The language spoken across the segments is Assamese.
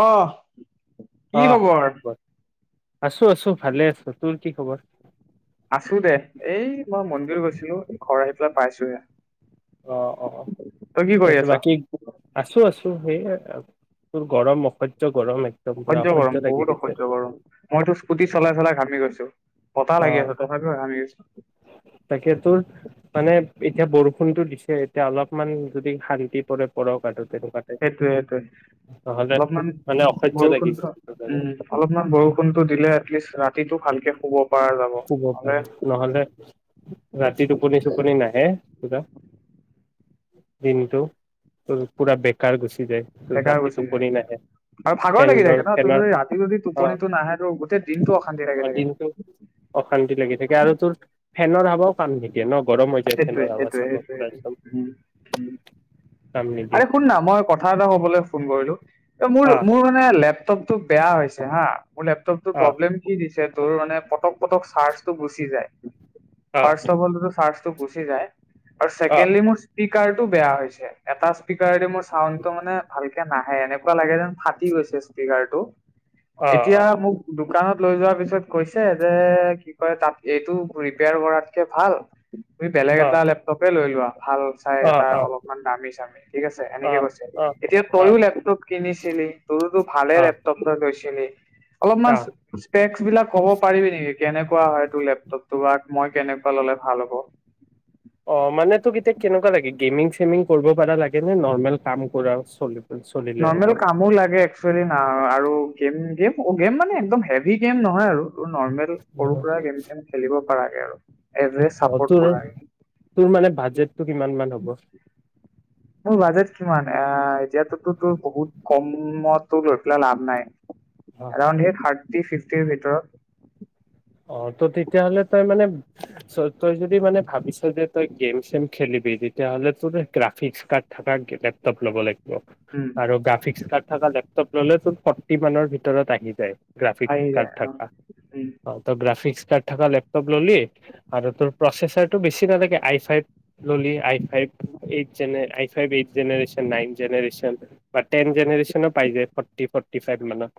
অহ কি অহ খবৰ আছো আছো ভালে আছো তোৰ কি খবৰ আছো দে এই মই মন্দিৰ গৈছিলো ঘৰ আহি পেলাই পাইছোহে অ অ অ তই কি কৰি আছ? বাকী আছো আছো তোৰ সেইয়ে তোৰ গৰম অসহ্য গৰম এক অসহ্য গৰম বহুত অসহ্য গৰম মইতো স্কুটি চলাই চলাই ঘামি গৈছো বতাহ অ লাগি আছে তথাপিও ঘামি তাকে তোৰ গৈছো মানে এতিয়া বৰ ফোনটো দিছে এতিয়া অলপমান যদি শান্তি পৰে পৰক আৰু তেনেকুৱাতে সেইটোয়ে সেইটোয়ে নহলে অলপমান মানে অসহ্য লাগি বৰষুণ গৈছে তোৰ কাৰণে। উম অলপমান বৰষুণতটো দিলে এটলিষ্ট ৰা ৰাতিটো ভালকে শুব পৰা যাব। শুব নহ'লে পাৰে নহলে ৰাতি টোপনি চোপনি নাহে কিবা দিনটো পুৰা বেকাৰ গুচ বেকাৰ গুচি যায় আৰু ভাগৰ লাগি ফেনৰ থাকে ন তোৰ ফেনৰ যদি ৰাতি যদি অ টোপনিটো নাহে তো গোটেই দিনতটো অশান্তি অ লাগি থাকে দিনটো অশান্তি লাগি থাকে আৰু তোৰ ফেনৰত হাবৰ কাম নিদিয়ে ন গৰম হৈ যায় সেইটোয়ে ফেনৰ হাৱা সেইটোয়ে চাবা পুৰা সেইটোয়ে, একদম ও'ও', কাম নিদিয়ে আৰে শুন না মই কথা এটা ক'বলৈ ফোন কৰিলো, মোৰ আহ মোৰ মানে লেফট টপতো বেয়া হৈছে হা, মোৰ লেপটপটো আহ প্ৰব্লেম কি দিছে তোৰ মানে পতক পতক চাৰ্জটো গুচি যায়। আহ পাৰ্শ্ব বলতো চাৰ্জ টো গুচি যায় আৰু আহ চছেকেণ্ডলি মোৰ স্পীকাৰটো বেয়া হৈছে, এটা স্পীকাৰে দি মই চাউণ্ডটো মানে ভালকে য়া নাহে, এনেকুৱা লাগে যেন ফাটি গৈছে স্পীকাৰ টো। এতিয়া আহ মোক দু দোকানত লৈ যোৱাৰ পিছত কৈছে, যে কি কয় তাত এইটো ৰিপেয়াৰ কৰাতকে ভাল তুমি বেলেগ আহ এটা লেপটপে লৈ লোৱা। ভাল চাই আহ আহ এটা আহ অলপমান দামী চামি ঠিক আছে, এনেকে আহ কৈছে আহ এতিয়া তইও আহ লেপটপ কিনিছিলি তোৰতো ভালে লেপটপ এটা লৈছিল। যেনে অলপমান আহ পেক্স বিলাক ক'ব পাৰিবি নেকি কেনেকুৱা হয়, তোৰ লেপটপটো বা মই কেনেকুৱা ললে ভাল হ'ব। অ মানে তোক এতিয়া কেনেকুৱা লাগে গেমিং চেমিং কৰিব পাৰা লাগে নে নৰ্মেল কাম কৰা চলি চলিলে হ'ব নৰ্মেল কামো লাগে এক্সচুৱেলি না আৰু গেম, গেম অ গেম মানে একদম হেভি গেম নহয় আৰু। নৰ্মেল সৰু সুৰা গেম চেম খেলিব পাৰাকে আৰু। এভাৰেজ অ চাপৰ্ট তোৰ, কৰাকে তোৰ মানে বাজেটতো কিমান মান হ'ব? মোৰ বাজেট কিমান এ এতিয়াতো তো তোৰ বহুত কমতো লৈ পেলা লাভ নাই। অ এৰাউণ্ড এই ফিফটিৰ ভিতৰত। অ ত তেতিয়াহ'লে তই মানে, চ তই যদি মানে ভাবিছ যে তই গেম চেম খেলিবি তেতিয়াহ'লে তোৰ এই গ্ৰাফিক্স কাৰ্ড থকা লেপটপ ল'ব লাগিব। উম আৰু গ্ৰাফিক্স কাৰ্ড থকা লেপটপ ল'লে তোৰ ফৰ্টি মানৰ ভিতৰত আহি যায়। গ্ৰাফিক্স আহি কাৰ্ড যায় অ থাকা। উম অ তই গ্ৰাফিক্স কাৰ্ড থাকা লেপটপ ল'লি আৰু তোৰ প্ৰচেচাৰটো বেছি নালাগে আই চাইট ল'লি আই। ফাইফ এইট যেনে I. Five eight generation, nine generation বা। টেন উম জেনেৰেচনও পাই যায় ফৰ্টি, ফৰ্টি। থি ফাইফ মানৰ।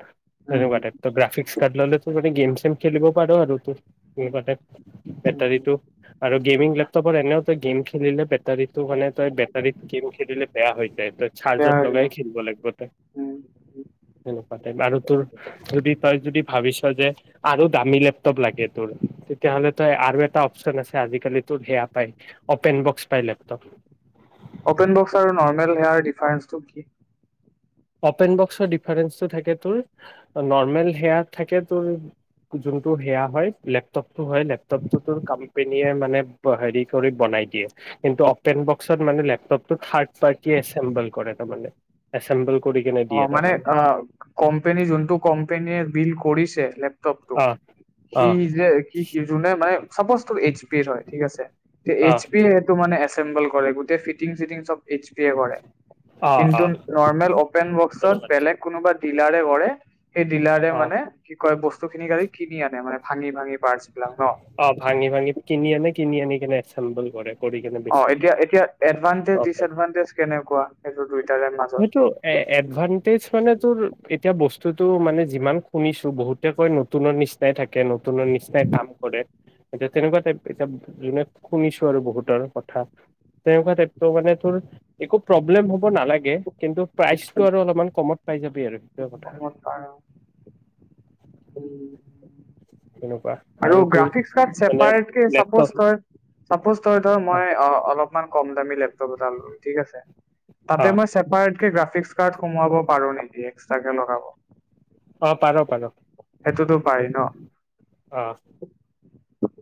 তেনেকুৱা টাইপ ত গ্ৰাফিক্স কাৰ্ড ললেটো তাতে গেম, চেম। খেলিব পাৰো আৰু তো। উম সেনেকুৱা টাইপ উম, উম। বেটাৰীটো আৰু গেমিং লেপটপৰ এনেওতো গেম খেলিলে বেট। বেটাৰীটো মানে তই বেটাৰীত গেম খেলিলে বেয়া হৈ যায়, তই বেয়া চাৰ্জত হৈ লগাই যায় খেলিব লাগিব, তই উম উম। সেনেকুৱা টাইপ আৰু তোৰ যদি তই যদি ভাবিছ যে আৰু দামী লেপটপ লাগে তোৰ, তেতিয়াহ'লে তই আৰু এটা অপচন আছে আজিকালি তোৰ সেয়া পাই অপেন বক্স পাই লেপটপ। অপেন বক্স আৰু নৰ্মেল হেয়াৰ ডিফাৰেন্সটো কি? অপেন বক্সৰ ডিফাৰেন্সটো থাকে তোৰ নৰমেল সেয়া থাকে তোৰ যোনটো হেয়া হয়, লেপটপটো হয় লেপটপটো তোৰ কাম্পানীয়ে মানে হেৰি কৰি বনাই দিয়ে। কিন্তু অপেন বক্সত মানে লেপটপ। তো থাৰ্ড পাৰ্টীএছেম্বল। কৰে তাৰমানে এছেম্বল অ', মানে আহ, কোম্পানী যোনটো কোম্পানীয়ে বিল কৰিছ [unintelligible] অ [unintelligible] অ সি যে সি যোনে মানে চাপজ টোৰ এইচ পি হয় ঠিক আছে, অ এইচ পিটো মানে [unintelligible] কৰে গোটেই ফিটিং চিটিং চব এইচ পি এ কৰে। অ অ কিন্তু নৰ্মেল বক্সত তেনেকুৱা বেলেগ কোনোবা তিলাৰে কৰে। সেই ডিলাৰে টাইপ অ মানে কি কয় বস্তু? [unintelligible] কিনি আনে মান ভাঙি ভাঙি। পাৰ্টচ বিলাক ন অ' ভাঙি ভাঙি কিনি আনে কিনি আনি কেনে চাম্বল কৰে। কৰি কেনে অ' বেছি দিয়ে এতিয়া এতিয়া এডভানটেজ ডিচএডভানটেজ কেনেকুৱা সেইটোতে সেইটো এডভানটেজ মানে তোৰ এতিয়া বস্তুতটো মানে যিমান শুনিছো বহুতে কৈ নতুনৰ নিচিনাই থাকে নতুনৰ নিচিনাই কাম কৰে। এতিয়া তেনেকুৱা টাইপ এতিয়া যোনে শুনিছো আৰু বহুতৰ কথা তেনেকুৱা টাইপতো মানে তোৰ একো প্ৰব্লেম হ'ব নালাগে। কিন্তু প্ৰাইচটো আৰু অলপমান কমত পাই যাবি আৰু। কথা কমটা উম তেনেকুৱা আৰু তোৰ গ্ৰাফিক কাৰ মানে চেপাৰেট কে চাপোচ লেপটপ তই চাপোচ তই ধৰ অ মই অলপ [unintelligible] কম। দামি লেপটপ এটা ললো ঠিক আছে, অ তাতে মই চেপাৰেট গ্ৰাফিক্স কাৰ্ড সোমাব পাৰো নেকি। তাকে লগাব। অ' পাৰ পাৰ। সেইটোতো পাৰি ন অ'।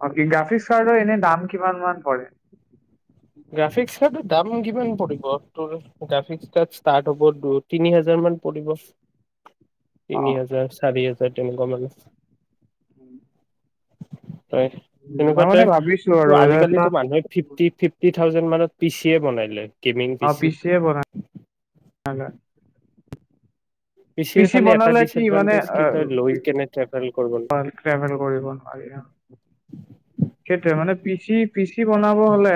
অ' গ্ৰাফিক্স কাৰ্ডৰ এনে দাম কিমান মান পৰে। গ্ৰাফিক্স কাৰ্ডৰ দাম কিমান পৰিব তোৰ গ্ৰাফিক্স হব দু তিনি হাজাৰ মান পৰিব। তিনি অ', হাজাৰ চাৰি হাজাৰ। [unintelligible] উম। তই তেনেকুৱা তই ভাবিছো ত আৰু যে আজিকালিটো তাত মানুহে ফিফটি ফিফটি। কি থাউজেণ্ড মানত পি চি য়ে বনাই দিলে হ'লে। গেমিং পি অ', ছি। পিচিয়ে [unintelligible] পি চিৰ চি খালি এটা বনালে কি মানে ডিচএডভানটেজ [unintelligible] কি তই লৈ কেনে ট্ৰেভেল কৰিব কৰিব নোৱাৰি আৰু সেইটোৱে মানে পি চি পি চি বনাব হলে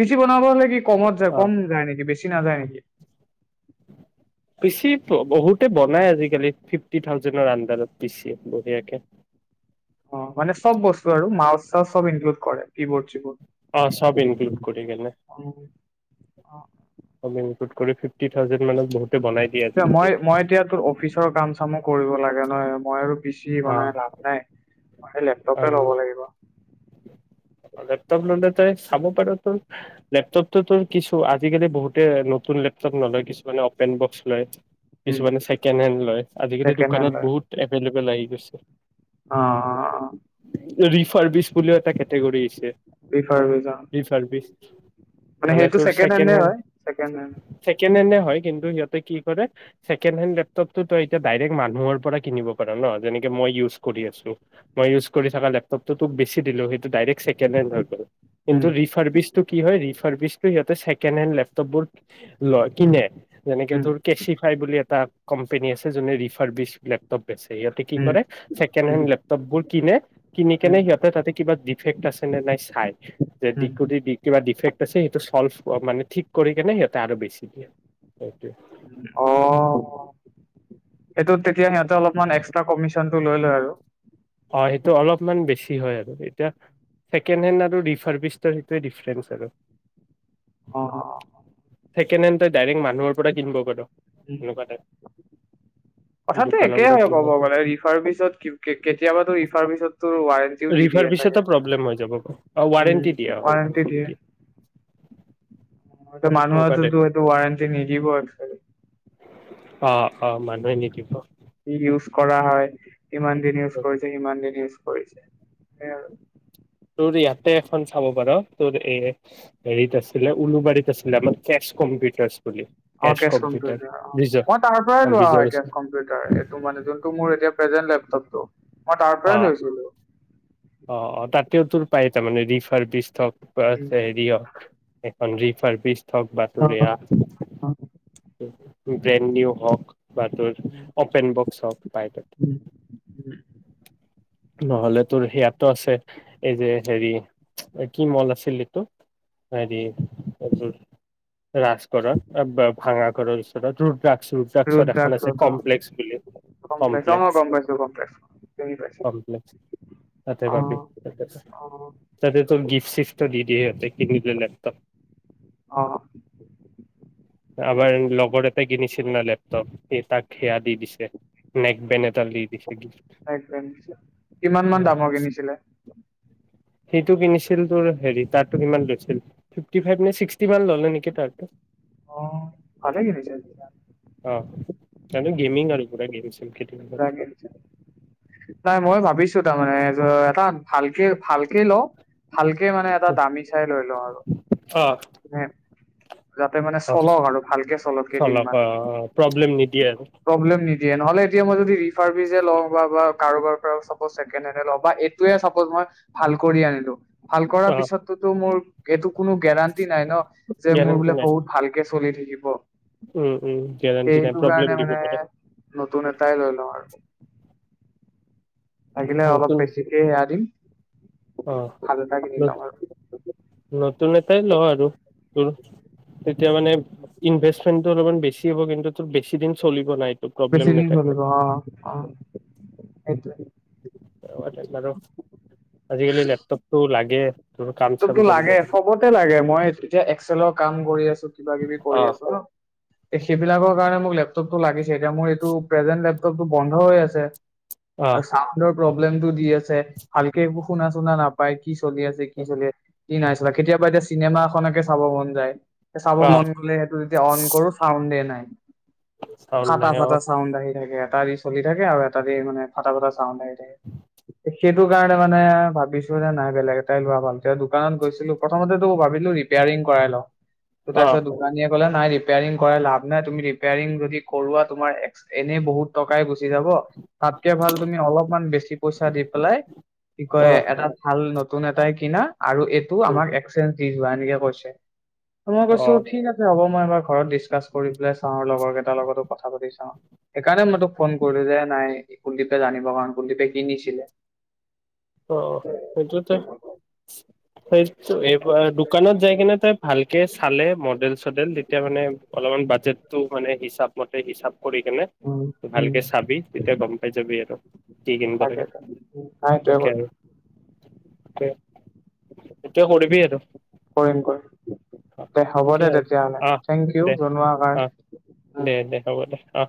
পি চি বনাব হলে কি ক'মত যায় অ কম যায় নেকি বেছ গুচি নাযায় নেকি। পিচি ব-বহুতে বনাই আজিকালি ফিফটি থাউজেডৰ আডাৰত পিচি বঢ়িয়াকে। অ, মানে চব বস্তু আৰু মাউছ-চাইছ চব ইনক্লুড কৰে কি বৰ্ড চি বৰ্ড অ, চব ইনক্লুড কৰি কেনে অ', কৰি ফিফটি থাউছেন মানত বহুত মই-মই এতিয়া তোৰ অফিচৰ কাম-চামো কৰিব লাগ নহয় মই আৰু। বেছি অ বনাই লাভ নাই। হে লেপটপহে আৰু ল'ব লাগিব। লেপটপ ল'লে। তই চাব পাৰ তো। লেপটপটোতো তোৰ কিছু আজিকালি বহুতে নতুন লেপটপ নলয় কিছুমানে অপেন বক্স লয়। উম, কিছুমানে ছেকেণ্ড হেণ্ড লয় আজিকালি ছেকেণ্ড হেণ্ড দোকানত লৈ বহুত এভেইলেবল আহি গৈছে। অ', অ', অ'। ৰিফাৰভিচ বুলিও এটা কেটেগৰী আহছে। প্ৰিফাৰ ভিছা ৰিছাৰ্ভিছ, মানে সেইটো তোৰ ছেকেণ্ড হেণ্ডে হেণ্ড, হয় ছেকেণ্ড হেণ্ড। ছেকেণ্ড হেণ্ডে হয়। কিন্তু সিহঁতে কি কৰে, ছেকেণ্ডহেণ্ড লেপটপটো তই এতিয়া ডাইৰেক্ট মানুহৰ পৰা কিনিব পাৰ ন, যেনেকে মই ইউজ কৰি আছো। মই ইউজ কৰি থকা লেপটপটো তোক বেছি দিলো সেইটো ডাইৰেক্ ছেকেনহেণ্ড হৈ গল। কিন্তু উম ৰিফাৰবিচটো কি হয় ৰিফ [inaudible] টো সিহঁতে ছেকেণ্ডহেণ্ড লেপটপ বোৰ লয়-কিনে। যেনেকে উম তোৰ কেঁচিফাই বুলি এটা কম্পেনী আছে যোনে ৰিফাৰ্বিজ লেপটপ বেচে ইহতে কি উম কৰে উম ছেকেণ্ডহেণ্ড লেপ- বোৰ কিনে, কিনি উম কেনে সিহঁতে তাতে কিবা দিফেক- [unintelligible] খাই, উম [unintelligible] কিবা ডিফেক্ট আছে সেইটো চল্ভ মানে ঠিক কৰি কেনে সিহঁতে আৰু বেছিদিয়ে, সেইটোৱে। অ'। সেটোত তেতিয়া সিহঁতে অলপমান এক্সট্ৰা কমিচন টো, লৈ লয় আৰু। হয় এইটো অলপমান বেছি হয় আৰু এতিয়া ছেকেণ্ডহেণ্ড আৰু ৰিফাৰভিচৰ সেইটোৱে ডিফাৰেঞ্চ আৰু। অ, অ। ছেকেণ্ডহেণ্ড টো ডাইৰেক্ট মানুহৰ পৰা কিনিব পাৰ। উম এনেকুৱা টাইপ কথাটো দোকানৰ একে পৰা হয় কিন ক'ব গলে ৰিফাৰভিচত কে-কেতিয়াবাটো ৰি চাৰ্ভিছত। ৰিফাৰভিচতো প্ৰব্লেম হৈ যাব। অ উম ৱাৰেণ্টি দিয়ে। অ ৱাৰেণ্টি দিয়ে। এনেকুৱা টাইপ মানুহৰতোটো এইটো ৱাৰেণ্টি নিদিব। অ অ মানুহে নিদিব। ইউজ কৰা হয়। ইমান দিন ইউজ কৰিছে ইমান দিন ইউজ। সেয়া আৰু তোৰ ইয়াতে এখন চাব পাৰ তোৰ এ হেৰিত আছিলে উলুবাৰীত আছিলে মোৰ কেচ কম্পিউটাৰচ। অ কেচ কম্পিউটাৰ অ, মই তাৰ অ পৰাই লোৱা বিজয় হয় কেচ কম্পিউটাৰ এইটো মানে যোনটো মোৰ এতিয়া প্ৰেজেন্ট লেপটপটো মই তাৰ পৰাই অ লৈছিলো অ অ তাতেই তোৰ পাই তাৰমানে ৰিফাৰ বিজ থক উম, বছ এৰি দিয়ক, এ [unintelligible] অন্লি পাৰ ফিচ হওক বাতৰিয়া উম, ব্ৰেণ্ড নিও হওক বা তোৰ অপেন বক্স অফ পাইট উম। নহ'লে তোৰ সেয়াতো আছে, এই যে হেৰি কি মল আছিল, এইটো হেৰি এম ৰা্স কৰা ভাঙা [unintelligible] ঘৰৰ ওচৰৰ টো। বিজ জাগছো বুলি কম্প্লে অ কমপ্লেক্স কম্পছো কম্প্লে পাই [unintelligible] তাতে পাবি, তাতে তোৰ গিফ্ট চিফ্টটো দি দিয়ে। সিহঁতে কিনিলে লেপটপ। অহ। আমাৰ লগৰ এটাই কিনিছিল ন লেপটপ। সি তাক সেয়া দি দিছে। নেক বেন এডাল দি দিছে গিফ্ট। কিমান মান অহ দামৰ কিনিছিলে সেইটো কিনিছিল তোৰ হেৰি তাৰ টো মোৰ কিমান লৈছিল, ফিফটি ফাইভ নে ছিক্সটি মান ললে নেকি তাৰ অঁ, ভালেই লিখিছে এইবাৰ। ক গছে [unintelligible] নাই মই ভাবিছো তাৰমানে এজন তাত ভাল। ভালকে লওঁ, ভালকে মানে এটা দামী চাই লৈ লওঁ আৰু। অ যাতে মানে অ চলক, আৰু ভালকে চলক কেইদিনমান। প্ৰব্লেম নিদিয়ে আৰু প্ৰব্লেম নিদিয়ে, নহলে এতিয়া মই যদি ৰিফাৰ ৱিয লওঁ বা বা কাৰোবাৰ পৰা ছাপোজ চেকেণ্ড হেণ্ড এ লও, বা এইটোয়েই ছাপোজ‌ মই ভাল কৰি আনিলো। ভাল অ কৰাৰ পিছতোতো মোৰ এইটো কোনো গেৰাণ্টি নাই ন, যে মোৰ গেৰেণ্টি বোলে নাই বহুত ভালকে চলি থাকিব। উম উম গেৰান্তি নাই, প্ৰব্লেম তাৰ দিব মানে পাৰে নতুন এটাই লৈ লওঁ আৰু। লাগিলে অলপ নতুন বেছিকে সেয়া দিম। অ' ভাল এটা কিনি লম নতুন আৰু নতুন এটাই ল আৰু, তোৰ তেতিয়া মানে, ইনভেষ্টমেন্টটো অলপমান বেছি হ'ব কিন্তু তোৰ বেছি দিন চলিব নাই বেছি দিন চলিব, অ' অ' [unintelligible] আজিকালি লেপটপ টো লাগে। তোৰ কাম চাম লেপটপটো কৰিব লাগে, কাৰণে চবতে লাগে, মই এতিয়া এক্সেলৰ কাম কৰি আছো কিবা কিবি কৰি অ আছো, সেইবিলাকৰ কাৰণে মোক লেপ লেপটপটো লাগিছে এতিয়া মোৰ এইটো প্ৰেজেন্ট লেপটপটো বন্ধ হৈ আছে। আৰু চাউণ্ডৰ প্ৰব্লেমটো দি আছে ভালকে একো শুনা শুনা নাপ পাই, কি চলি আছে কি চলি কি নাইচলা, কেতিয়াবা এতিয়া চিনেমা খনকে চাব মন যায়, চাব অ অ মন গ'লে সেইটো যেতিয়া অন কৰো চাউণ্ডে নাই। চাউল ফটা নাই অ চাটা চাউণ্ড আহি থাকে, এটা দি চলি থাকে, আৰু এটা দি মানে ফটা ফটা চাউণ্ড আহি থাকে, সেইটো কাৰণে মানে ভাবিছো যে নাই বেলেগ এটাই লোৱা দোকানত গৈছিলো প্ৰথমতে তো ভাবিলো ৰিপেয়াৰিং কৰাই লওঁ, তাৰ পিছত অ দোকানীয়ে কলে নাই ৰিপেয়াৰিং কৰাই লাভ নাই, তুমি ৰিপেয়াৰং যদি কৰোৱা তোমাৰ এনেই বহুত টকাই গুচি যাব, তাতকে ভাল তুমি অলপমান বেছি পইচা দি পেলাই কি কয় এটা ভাল নতু লতুন এটাই কি কিনা। আৰু এইটো উম আমাৰ এক্সচে্ঞ্জ দি যোৱা এনেকে কৈছে। মই অ কৈছো ঠিক আছে হ'ব। মই এবাৰ ঘৰত দিচকাচ কৰি পেলাই চাওঁ লগৰ কিতা লগতটো কথা পাতি চাওঁ সেই কাৰণে মই তোক ফন কৰিলো যে নাই কোন কিতা জানিব কাৰণে অ' সেইটো তে সেই এইবাৰ দোকানত যায় কিনে তাই ভালকে চালে মডেল চডেল তেতিয়া মানে অলপমান বাজেটটো মানে হিচাপ মতে হিচাপ কৰি কেনে উম উম ভালকে চাবি, তেতিয়া গম পাই যাবি আৰু কি কিনিব তাকে লাগে। তাকে নাই সেইটোৱে তাকে আৰু এতিয়া কৰিবি আৰু দে হ'ব তাকে দে আৰু তেতিয়াহলে অ থেংকি ইউ দে জনোৱাৰ অ কাৰণে দে দে হ'ব দে অ